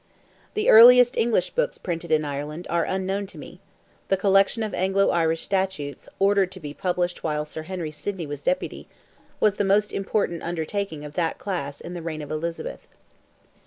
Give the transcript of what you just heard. The earliest English books printed in Ireland are unknown to me; the collection of Anglo Irish statutes, ordered to be published while Sir Henry Sidney was Deputy, was the most important undertaking of that class in the reign of Elizabeth.